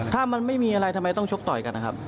ถ้ามันไม่มีอะไรทำไมต้องชกต่อยกันนะครับ